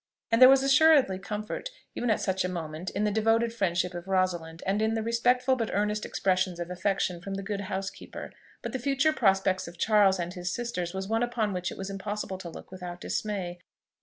And there was assuredly comfort, even at such a moment, in the devoted friendship of Rosalind, and in the respectful but earnest expressions of affection from the good housekeeper; but the future prospects of Charles and his sisters was one upon which it was impossible to look without dismay.